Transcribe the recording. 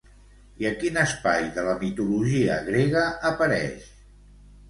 I a quin espai de la mitologia grega apareix?